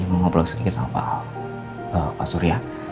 mau ngobrol sedikit sama pak surya